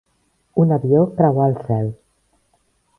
Un avió creuà el cel.